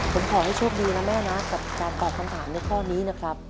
ผมขอให้โชคดีนะแม่นะกับการตอบคำถามในข้อนี้นะครับ